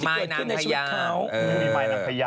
มายนางพยาด้วย